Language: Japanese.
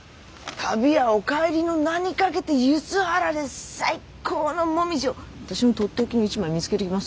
旅屋おかえりの名に懸けて梼原で最っ高の紅葉を私のとっておきの一枚見つけてきますよ。